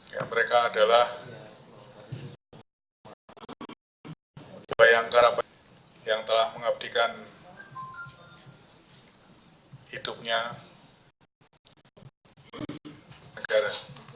yang mereka adalah dua yang karabat yang telah mengabdikan hidupnya negara